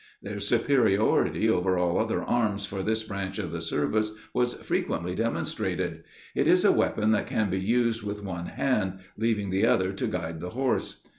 Their superiority over all other arms for this branch of the service was frequently demonstrated. It is a weapon that can be used with one hand, leaving the other to guide the horse.